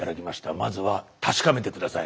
まずは確かめて下さい。